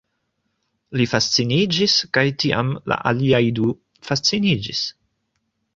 Li fasciniĝis kaj tiam la aliaj du fasciniĝis